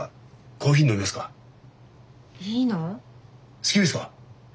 好きですか？